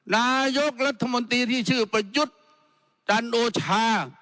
นายกรัฐมนตรีที่ชื่อประยุทธ์จันโอชา